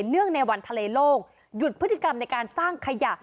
เนื่องในวันทะเลโลกหยุดพฤติกรรมในการสร้างขยะ